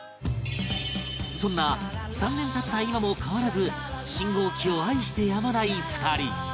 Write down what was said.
そんな３年経った今も変わらず信号機を愛してやまない２人